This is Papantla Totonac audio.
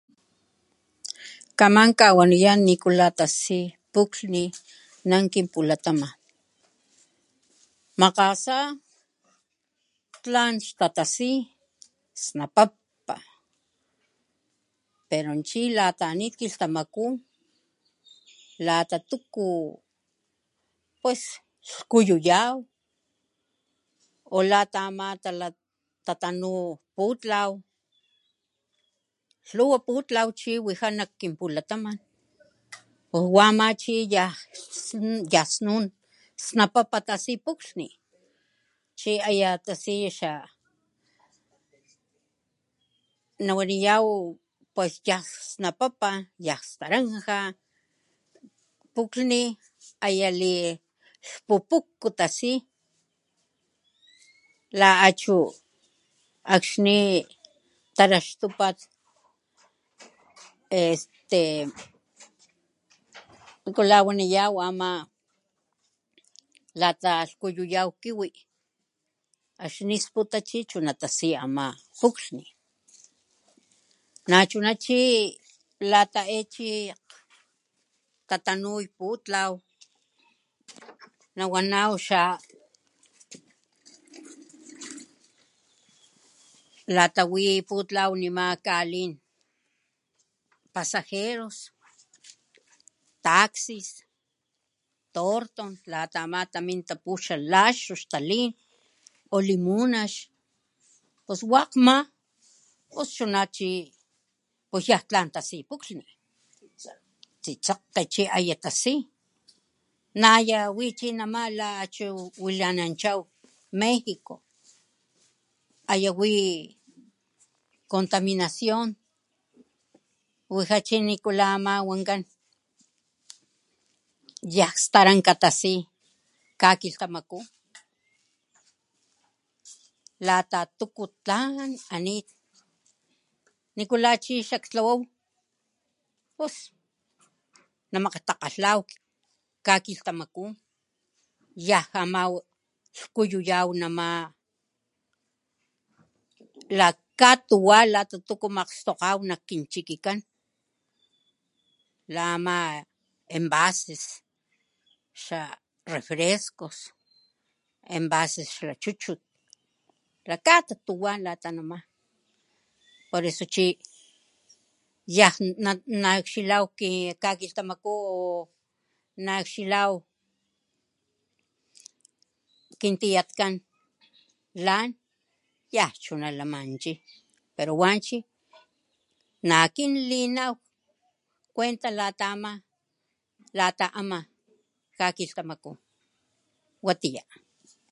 Kaman kawaniyan nikula tasi puklhni nak kinpulataman makgasa tlan xtatasi snapapa peo chi lata anit kilhtamaku lata tuku pues lhukuyuyaw o lata ama tatanu putlaw lhuwa putlaw chi wija nak kinpulataman pos wama chi yan snun snapapa tasi puklhni tiaya tasi nawaniyaw nan snun tasi snapapa yan lanka puklhni lhpupokho tasi chi la achu akxni traxtupat este nikula waniyan este lata lhkuyuyaw kiwi akxni sputa chi chunata tasi ama puklhni nacguna chi lata e chi tatanuy putlaw nawnaw chi lata kalin putlaw pasajeros pues yan tlan tasi puklhni tsitsekge aya tasi nayawi la chi mana achu wilananchaw mexico aya wi contaminacion wija chi lata ama wankan yan staranka tasi takilhtamaku lata tuku tlan anit nikula chi xaktlawaw pos namakgtakgalhaw kakilhtamaku yan ama lhkuyuyaw ama lakatuwa lata makgstokgaw nak kinchikikan la ama envases xarefrescos embases xachuchut lata katuwa por eso chi naakxilaw kakilhtamaku naakxilaw kintiyatkan lan yanchu lamanw chi pero wanchi na akin limaw kuenta lata ama lata ama kakilhtamaku watiya.